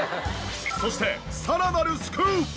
そしてさらなるスクープ！